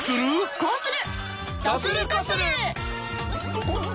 こうする！